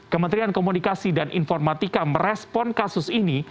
kementerian komunikasi dan informatika merespon kasus ini